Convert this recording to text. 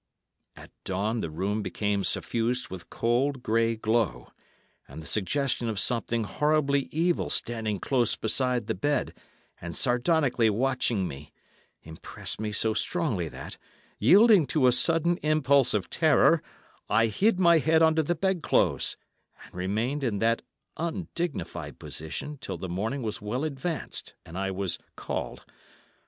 At dawn the room became suffused with a cold, grey glow, and the suggestion of something horribly evil standing close beside the bed and sardonically watching me impressed me so strongly that, yielding to a sudden impulse of terror, I hid my head under the bed clothes, and remained in that undignified position till the morning was well advanced and I was "called."